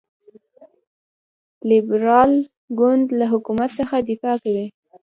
لیبرال ګوند له حکومت څخه دفاع کوي.